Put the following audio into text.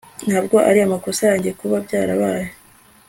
Ntabwo ari amakosa yanjye kuba byarabaye